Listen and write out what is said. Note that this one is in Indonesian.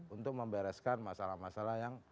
untuk membereskan masalah masalah yang